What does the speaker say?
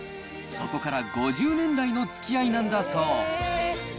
そこから５０年来のつきあいなんだそう。